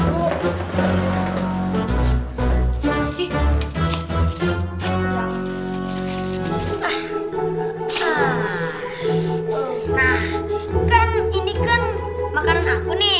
nah kan ini kan makanan aku nih